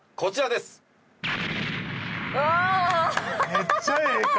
めっちゃええ顔！